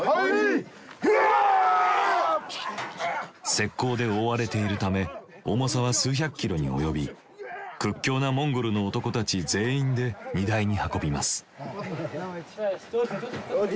石こうで覆われているため重さは数百キロに及び屈強なモンゴルの男たち全員で荷台に運びます。